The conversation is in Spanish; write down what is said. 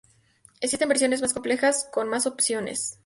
Existen versiones más complejas con más opciones.